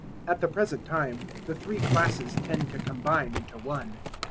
At the present time the three classes tend to combine into one.